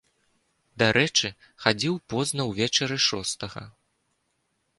Дарэчы, хадзіў позна ўвечары шостага.